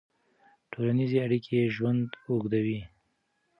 ټولنیزې اړیکې ژوند اوږدوي.